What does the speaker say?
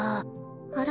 あら？